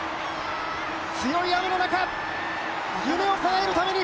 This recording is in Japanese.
強い雨の中夢をかなえるために。